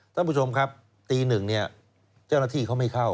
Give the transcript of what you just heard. ท่านผู้ชมครับตีหนึ่งเนี่ยเจ้าหน้าที่เขาไม่เข้า